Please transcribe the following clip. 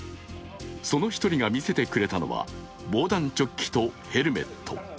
その１人が見せてくれたのは防弾チョッキとヘルメット。